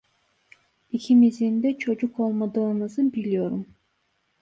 İkimizin de çocuk olmadığımızı biliyorum.